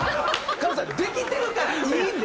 要さんできてるからいいんですよ